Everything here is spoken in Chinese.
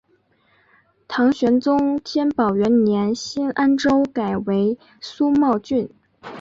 唐玄宗天宝元年新安州改为苏茂郡。